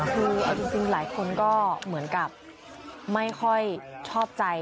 คือเอาจริงหลายคนก็เหมือนกับไม่ค่อยชอบใจ